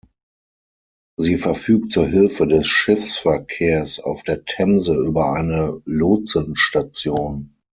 Sie verfügt zur Hilfe des Schiffsverkehrs auf der Themse über eine Lotsenstation.